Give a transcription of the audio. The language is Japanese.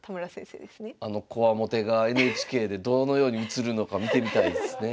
あのこわもてがＮＨＫでどのように映るのか見てみたいですね。